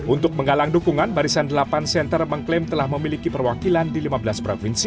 untuk menggalang dukungan barisan delapan center mengklaim telah memiliki perwakilan di lima belas provinsi